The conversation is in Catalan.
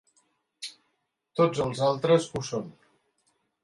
Tots els altres ho són.